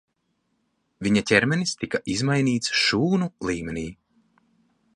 Viņa ķermenis tika izmainīts šūnu līmenī.